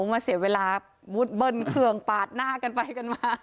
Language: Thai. มาเสียเวลามุดเบิ้ลเครื่องปาดหน้ากันไปกันมา